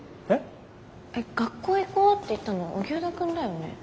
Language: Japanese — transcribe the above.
えっ学校行こうって言ったの荻生田くんだよね？